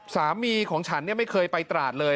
สามีของฉันไม่เคยไปตราดเลย